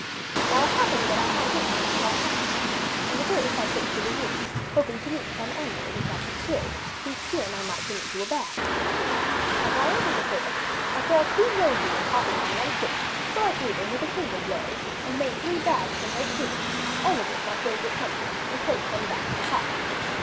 'Now it happened that I had with me a small hatchet, and this I took to the wood, hoping to meet some animal which I could kill, whose skin I might turn into a bag. As I entered the forest I saw two roe deer hopping on one foot, so I slew them with a single blow, and made three bags from their skins, all of which I filled with honey and placed on the back of the cock.